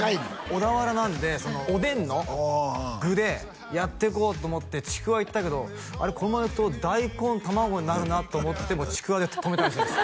小田原なんでおでんの具でやっていこうと思って「ちくわ」いったけどあれこのままいくと「大根」「玉子」になるなと思って「ちくわ」で止めたらしいんです